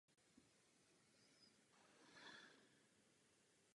Na východě celou tvrz chránil sto metrů dlouhý val orientovaný ve směru sever–jih.